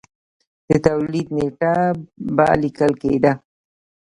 د تولید نېټه به لیکل کېده